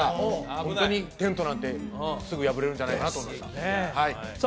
ホントにテントなんてすぐ破れるんじゃないかなと思いましたさあ